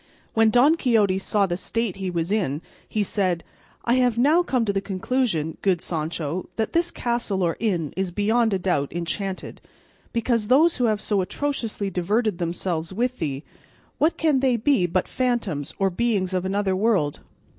When Don Quixote saw the state he was in he said, "I have now come to the conclusion, good Sancho, that this castle or inn is beyond a doubt enchanted, because those who have so atrociously diverted themselves with thee, what can they be but phantoms or beings of another world?